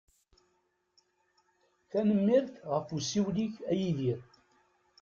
Tanemmirt ɣef usiwel-ik a Yidir.